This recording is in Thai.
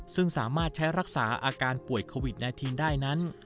ซึ่งสามารถใช้รักษาอาการป่วยโควิด๑๙ได้นั้น